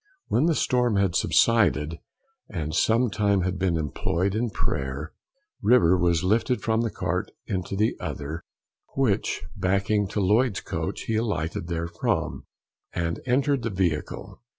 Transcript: When the storm had subsided, and some time had been employed in prayer, River was lifted from one cart into the other, which backing to Lloyd's coach, he alighted therefrom, and entered the vehicle.